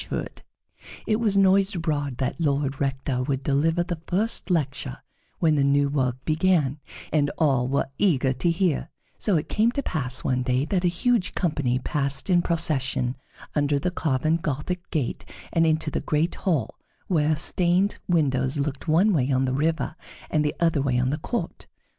[Illustration: CAME RIDING FROM ALL PARTS OF THE KINGDOM] It was noised abroad that the Lord Rector would deliver the first lecture when the new work began, and all were eager to hear; so it came to pass one day that a huge company passed in procession under the carven Gothic gate and into the great hall whose stained windows looked one way on the river and the other way on the court.